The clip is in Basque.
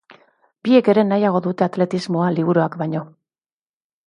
Biek ere nahiago dute atletismoa, liburuak baino.